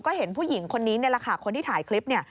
ก็เห็นผู้หญิงคนนี้นี่แหละค่ะคนที่ถ่ายคลิปเนี่ย